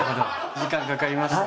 時間かかりました。